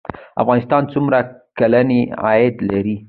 افغانستان څومره کلنی عاید لري؟